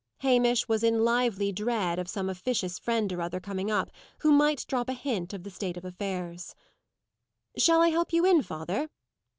Hamish was in lively dread of some officious friend or other coming up, who might drop a hint of the state of affairs. "Shall I help you in, father!"